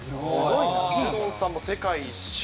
ジュノンさんも世界一周。